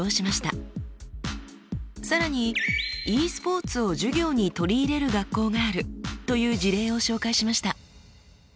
更にｅスポーツを授業に取り入れる学校があるという事例を紹介しました。